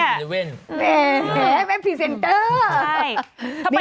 แหมเป็นพรีเซนเตอร์